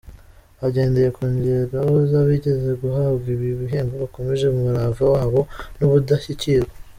Agendeye ku ngero z’abigeze guhabwa ibi bihembo bakomeje umurava wabo n’ubudashyikirwa.